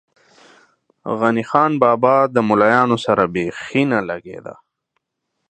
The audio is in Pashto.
غني خان بابا ده ملایانو سره بېخی نه لږې ده.